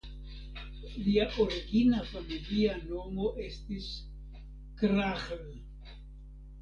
Lia origina familia nomo estis "Krahl".